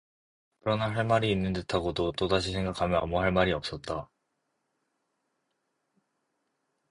그러나 할 말이있는 듯하고도 또다시 생각하면 아무 할 말이 없었다.